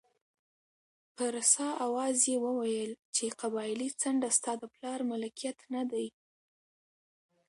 په رسا اواز یې وویل چې قبایلي څنډه ستا د پلار ملکیت نه دی.